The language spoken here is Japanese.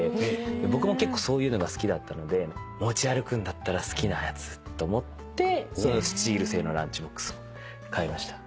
僕も結構そういうのが好きだったので持ち歩くんだったら好きなやつと思ってスチール製のランチボックスを買いました。